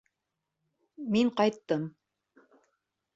Мин ҡайттым.